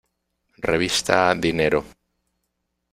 Revista Dinero.